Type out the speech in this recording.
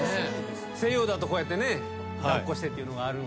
西洋だとこうやってね抱っこしてってある。